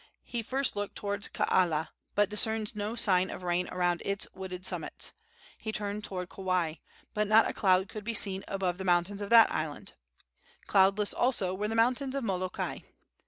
He first looked toward Kaala, but discerned no sign of rain around its wooded summits. He turned toward Kauai, but not a cloud could be seen above the mountains of that island. Cloudless, also, were the mountains of Molokai.